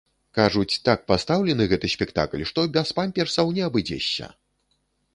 Кажуць, так пастаўлены гэты спектакль, што без памперсаў не абыдзешся!